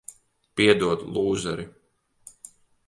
Piedod, lūzeri.